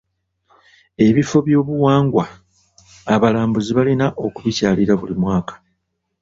Ebifo by'obuwangwa, abalambuzi balina okubikyalira buli mwaka.